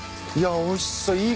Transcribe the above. いやおいしそう。